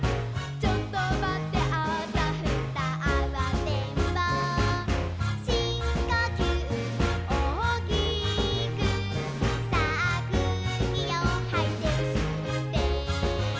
「ちょっとまってあたふたあわてんぼう」「しんこきゅうおおきくさあくうきをはいてすって」